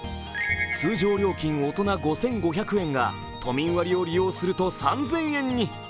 通常料金、大人５５００円が都民割を利用すると３０００円に。